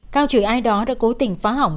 cao chửi ai đó đã cố tình phá hỏng